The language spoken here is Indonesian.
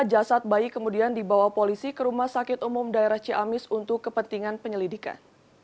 jasad bayi kemudian dibawa polisi ke rumah sakit umum daerah ciamis untuk kepentingan penyelidikan